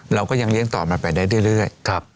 เราก็ยังเลี้ยงต่อมันไปได้เรื่อย